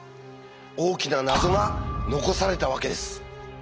大きな謎が残されたわけです。